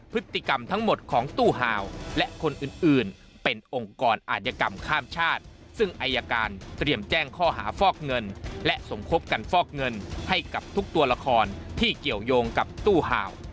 พบกันฟอกเงินให้กับทุกตัวละครที่เกี่ยวยงกับตู้ห่าว